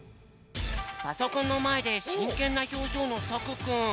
パソコンのまえでしんけんなひょうじょうのさくくん。